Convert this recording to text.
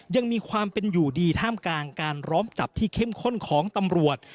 ยังมีความเป็นอยู่ดีท่ามกลางการล้อมจับที่เข้มข้นของตำรวจ